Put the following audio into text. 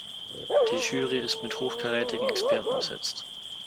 Die Jury ist mit hochkarätigen Experten besetzt.